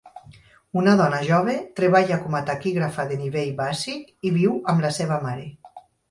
Una dona jove treballa com a taquígrafa de nivell bàsic i viu amb la seva mare.